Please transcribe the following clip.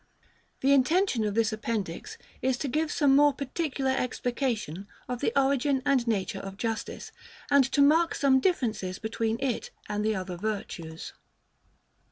The intention of this Appendix is to give some more particular explication of the origin and nature of Justice, and to mark some differences between it and the other virtues.